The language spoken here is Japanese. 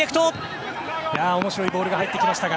面白いボールが入ってきましたが。